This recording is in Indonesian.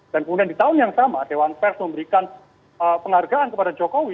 dan kemudian di tahun yang sama dewan pers memberikan penghargaan kepada jokowi